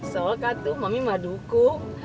sok kan tuh mami mah dukung